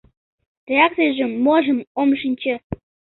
— Реакцийжым-можым ом шинче.